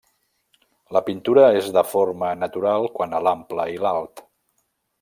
La pintura és de forma natural quant a l'ample i l'alt.